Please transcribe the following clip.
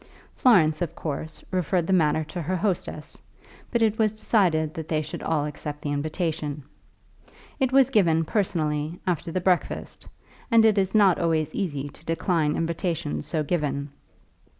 Florence, of course, referred the matter to her hostess, but it was decided that they should all accept the invitation. It was given, personally, after the breakfast, and it is not always easy to decline invitations so given.